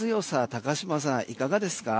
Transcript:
高島さん、いかがですか？